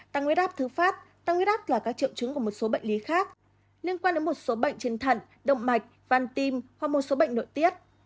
tăng huyết áp thứ phát tăng huyết áp là các triệu chứng của một số bệnh lý khác liên quan đến một số bệnh trên thận động mạch van tim hoặc một số bệnh nội tiết